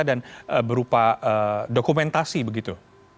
dan berupa dokumentasi begitu